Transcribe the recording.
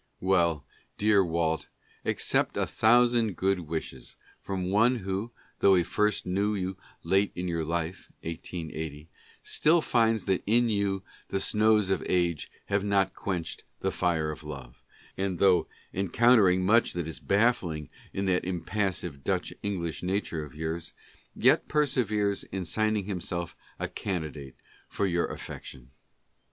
Well, dear Walt, accept a thousand good wishes from one who, though he first knew you late in your life (1880), still finds that in you the snows of age have not quenched the fire of love, and though encountering much that is baffling in that impassive Dutch English nature of yours, yet perseveres in signing himself a candidate for your affection.